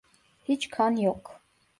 Hiç kan yok.